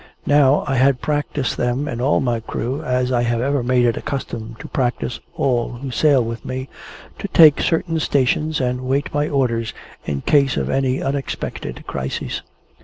Now, I had practised them and all my crew, as I have ever made it a custom to practise all who sail with me, to take certain stations and wait my orders, in case of any unexpected crisis.